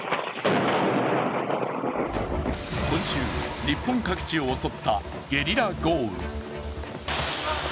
今週、日本各地を襲ったゲリラ豪雨。